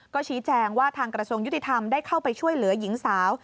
ก็ชี้แจงว่าทางกระทรวงยุติธรรมได้เข้าไปช่วยเหลือหญิงสาว